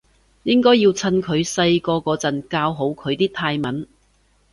應該要趁佢細個嗰陣教好佢啲泰文